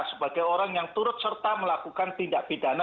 sebagai orang yang turut serta melakukan tindak pidana